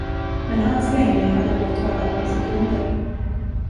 Men hans länge hade blott varat några sekunder.